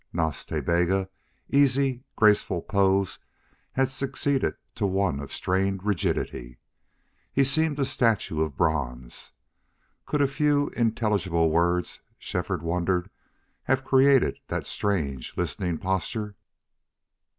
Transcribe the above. Nas Ta Bega's easy, graceful pose had succeeded to one of strained rigidity. He seemed a statue of bronze. Could a few intelligible words, Shefford wondered, have created that strange, listening posture?